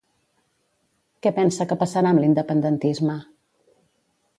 Què pensa que passarà amb l'independentisme?